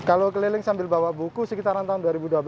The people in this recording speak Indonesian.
kalau keliling sambil bawa buku sekitaran tahun dua ribu dua belas